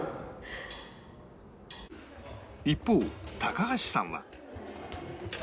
一方高橋さんは